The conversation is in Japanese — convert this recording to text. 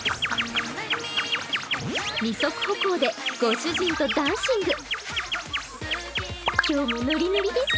２足歩行でご主人とダンシング。